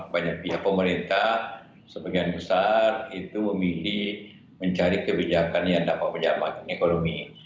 banyak pihak pemerintah sebagian besar itu memilih mencari kebijakan yang dapat menyamakan ekonomi